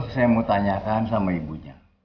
saya mau tanyakan sama ibunya